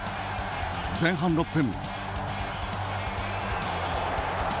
前半６分。